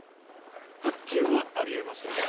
発注はありえませんよ。